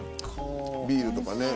ビールとかね。